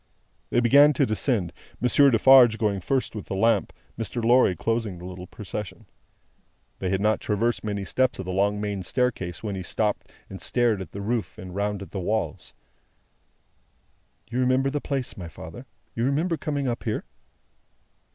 They began to descend; Monsieur Defarge going first with the lamp, Mr. Lorry closing the little procession. They had not traversed many steps of the long main staircase when he stopped, and stared at the roof and round at the walls. "You remember the place, my father? You remember coming up here?"